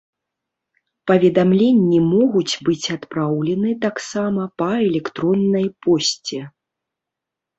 Паведамленні могуць быць адпраўлены таксама па электроннай пошце.